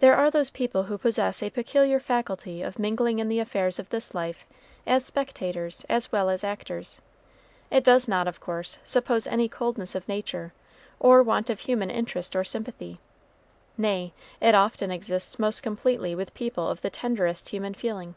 There are those people who possess a peculiar faculty of mingling in the affairs of this life as spectators as well as actors. It does not, of course, suppose any coldness of nature or want of human interest or sympathy nay, it often exists most completely with people of the tenderest human feeling.